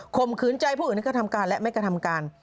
มขืนใจผู้อื่นให้กระทำการและไม่กระทำการ